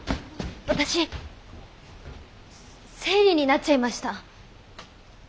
私生理になっちゃいました。